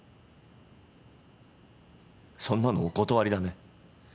そんなのお断りだね。